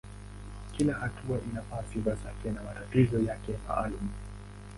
Kila hatua ina sifa zake na matatizo yake maalumu.